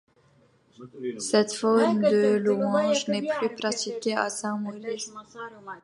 Cette forme de louange n'est plus pratiquée à Saint-Maurice.